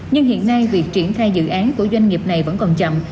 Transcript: nhưng hiện nay việc triển khai dự án của doanh nghiệp này vẫn còn chậm